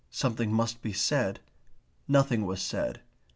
Something must be said. Nothing was said.